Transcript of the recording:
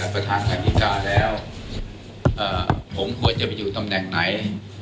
ผมควรจะไปอยู่ตำแหน่งไหน